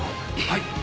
はい。